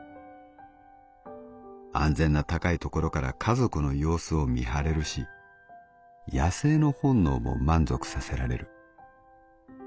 「安全な高い所から家族の様子を見張れるし野性の本能も満足させられる。